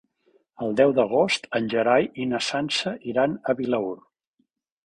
El deu d'agost en Gerai i na Sança iran a Vilaür.